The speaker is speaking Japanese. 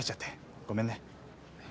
ごめんね。